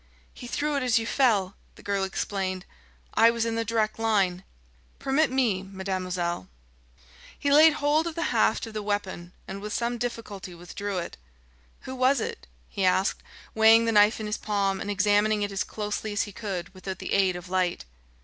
"He threw it as you fell," the girl explained. "I was in the direct line." "Permit me, mademoiselle...." He laid hold of the haft of the weapon and with some difficulty withdrew it. "Who was it?" he asked, weighing the knife in his palm and examining it as closely as he could without the aid of light.